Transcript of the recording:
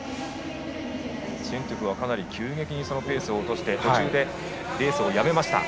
シェントゥフはかなり急激にそのペースを落とし途中でレースをやめました。